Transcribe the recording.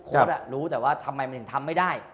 รู้แต่ว่าทำไมมันถึงทำไม่ได้